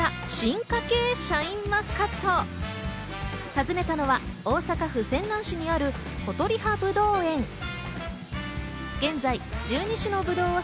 訪ねたのは大阪府泉南市にある、ことりはぶどう園。